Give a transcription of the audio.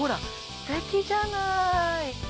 ステキじゃない。